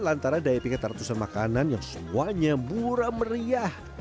lantaran daya pikat ratusan makanan yang semuanya murah meriah